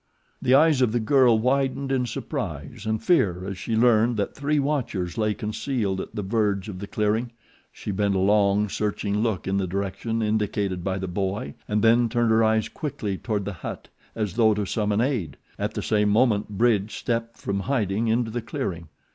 The eyes of the girl widened in surprise and fear as she learned that three watchers lay concealed at the verge of the clearing. She bent a long, searching look in the direction indicated by the boy and then turned her eyes quickly toward the hut as though to summon aid. At the same moment Bridge stepped from hiding into the clearing.